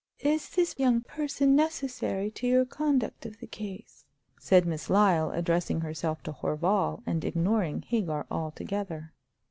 "Is this young person necessary to your conduct of the case?" said Miss Lyle, addressing herself to Horval, and ignoring Hagar altogether.